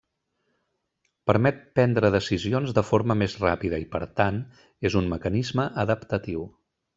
Permet prendre decisions de forma més ràpida i per tant és un mecanisme adaptatiu.